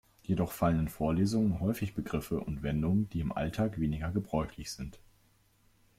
Jedoch fallen in Vorlesungen häufig Begriffe und Wendungen, die im Alltag weniger gebräuchlich sind.